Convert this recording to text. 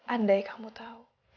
andai kamu tau